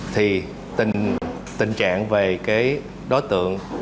thì tình trạng về cái đối tượng